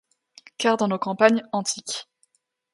Car dans nos campagnes antiques